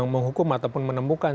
menghukum ataupun menemukan